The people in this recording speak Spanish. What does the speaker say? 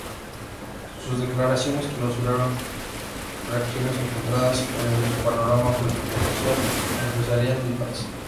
Sus declaraciones causaron reacciones encontradas en el panorama político, social y empresarial del país.